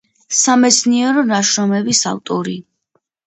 სამეცნიერო ნაშრომების ავტორი.